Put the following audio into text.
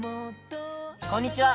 こんにちは。